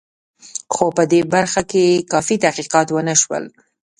خو په دې برخه کې کافي تحقیقات ونه شول.